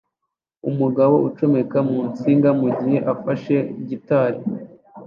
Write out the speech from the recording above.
Umugabo ucomeka mu nsinga mugihe afashe gitari